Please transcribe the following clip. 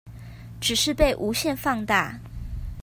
只是被無限放大